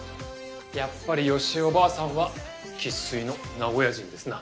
やっぱり良枝おばあさんは生粋の名古屋人ですな。